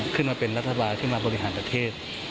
ขึ้นมาเป็นรัฐบาลที่มาบริหารประเทศ